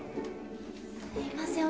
すみません